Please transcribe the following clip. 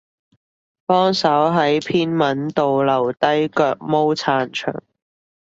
幫手喺篇文度留低腳毛撐場